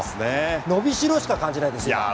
伸びしろしか感じないですよ。